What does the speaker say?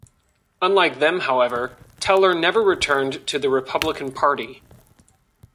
Unlike them however, Teller never returned to the Republican Party.